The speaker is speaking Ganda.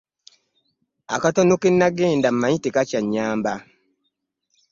Akatono ke nagenda mmanyi tekakyannyamba.